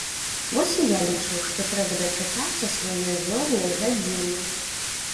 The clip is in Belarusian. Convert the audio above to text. Вось і я лічу, што трэба дачакацца сваёй зорнай гадзіны.